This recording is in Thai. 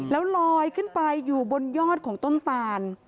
แล้วลอยขึ้นไปอยู่บนยอดของต้นตาล